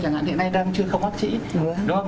chẳng hạn hiện nay đang chưa không bác trĩ